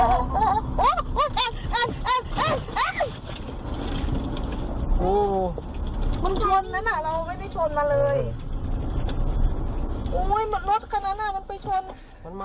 มันรถขนาดนั้นมันไปชน